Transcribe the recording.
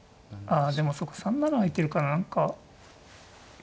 あでも３七空いてるから何か。